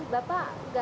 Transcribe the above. boleh diceritakan ya